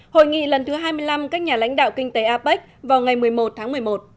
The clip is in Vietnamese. hội nghị lần thứ hai mươi năm các nhà lãnh đạo kinh tế apec vào ngày một mươi một tháng một mươi một